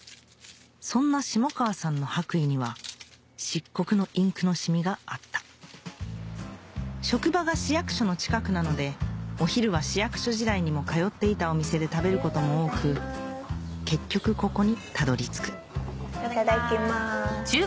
そんな下川さんの白衣には漆黒のインクの染みがあった職場が市役所の近くなのでお昼は市役所時代にも通っていたお店で食べることも多く結局ここにたどり着くいただきます。